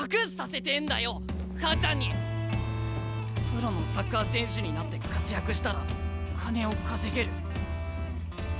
プロのサッカー選手になって活躍したら金を稼げる。